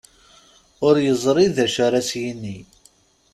Ur yeẓri d acu ara as-yini.